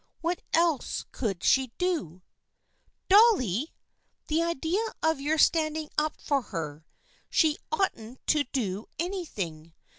What else could she do ?"" Dolly ! The idea of your standing up for her ! She oughtn't to do anything.